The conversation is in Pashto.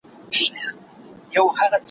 نمونې مي دي په كور كي د دامونو